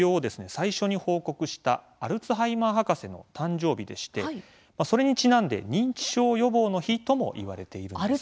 最初に報告したアルツハイマー博士の誕生日でしてそれにちなんで認知症予防の日とも言われているんですね。